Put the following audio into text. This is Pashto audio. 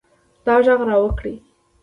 تا ږغ را وکړئ.